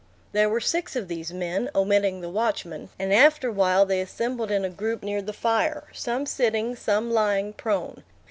There were six of these men, omitting the watchman; and afterwhile they assembled in a group near the fire, some sitting, some lying prone.